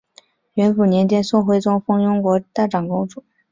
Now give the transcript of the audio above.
元符年间宋徽宗封雍国大长公主。